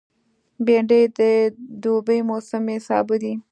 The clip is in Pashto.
بېنډۍ د دوبي موسمي سابه دی